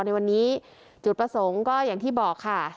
ในวันนี้จุดประสงค์ก็อย่างที่บอกค่ะ